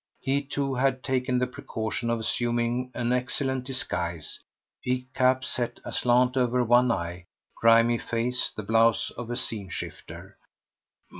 He, too, had taken the precaution of assuming an excellent disguise—peaked cap set aslant over one eye, grimy face, the blouse of a scene shifter.